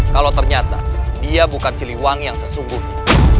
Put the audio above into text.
kalau ternyata dia bukan siliwangi yang sesungguhnya